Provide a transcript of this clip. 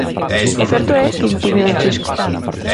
O certo é que intimida un chisco.